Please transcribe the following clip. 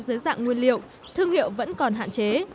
dưới dạng nguyên liệu thương hiệu vẫn còn hạn chế